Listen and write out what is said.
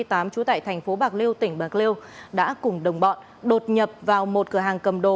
trú tại thành phố bạc liêu tỉnh bạc liêu đã cùng đồng bọn đột nhập vào một cửa hàng cầm đồ